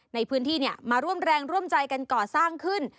ในพื้นที่มาร่วมแรงร่วมใจกันก่อสร้างขึ้น